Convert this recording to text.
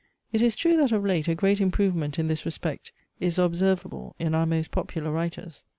It is true that of late a great improvement in this respect is observable in our most popular writers.